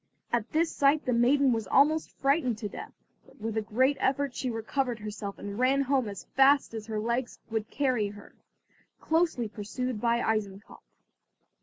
At this sight the maiden was almost frightened to death, but with a great effort she recovered herself and ran home as fast as her legs would carry her, closely pursued by Eisenkopf.